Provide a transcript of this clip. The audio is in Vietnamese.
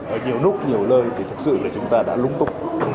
ở nhiều nút nhiều lời chúng ta đã lúng túng